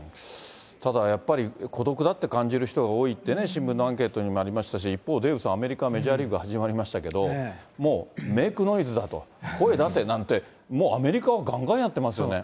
ただやっぱり、孤独だって感じる人が多いってね、新聞のアンケートにもありましたし、一方、デーブさん、アメリカはメジャーリーグ始まりましたけど、もう、メイクノイズだと、声出せなんてもうアメリカはばんばんやってますよね。